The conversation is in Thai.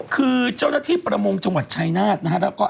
คือใช้ได้ทุกอย่าง